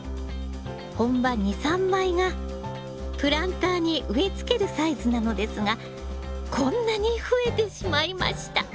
本葉２３枚がプランターに植えつけるサイズなのですがこんなに増えてしまいました。